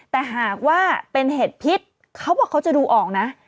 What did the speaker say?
แต่หากว่าเป็นเห็ดพิษเขาบอกเขาจะดูออกนะ